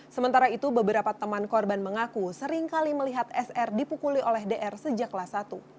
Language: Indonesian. sementara itu beberapa teman korban mengaku seringkali melihat sr dipukuli oleh dr sejak kelas satu